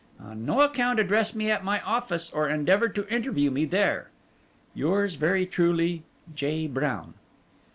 On no account address me at my office or endeavour to interview me there. "Yours very truly, "J. BROWN."